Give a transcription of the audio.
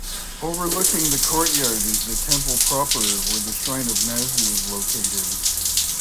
Overlooking the courtyard is the temple proper where the shrine of Mazu is located.